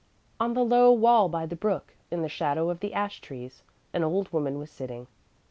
On the low wall by the brook, in the shadow of the ash trees, an old woman was sitting.